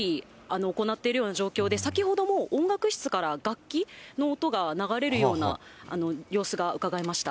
現在は授業、通常どおり行っているような状況で、先ほども音楽室から楽器の音が流れるような様子がうかがえました。